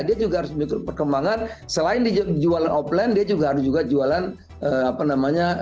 dia juga harus mengikuti perkembangan selain dijual offline dia juga harus juga jualan apa namanya